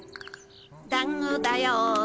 だんごだよ。